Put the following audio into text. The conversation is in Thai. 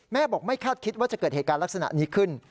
บอกไม่คาดคิดว่าจะเกิดเหตุการณ์ลักษณะนี้ขึ้น